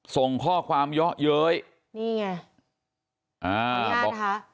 ส่งข้อความเยอะเย้ยนี่ไงภรรยาครับบอก